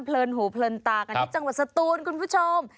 เลินหูเพลินตากันที่จังหวัดสตูนคุณผู้ชม